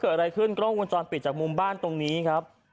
เกิดอะไรขึ้นกล้องวงจรปิดจากมุมบ้านตรงนี้ครับ